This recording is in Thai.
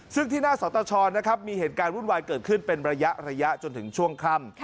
ซึ่งที่หน้าสตชนะครับมีเหตุการณ์วุ่นวายเกิดขึ้นเป็นระยะจนถึงช่วงค่ำ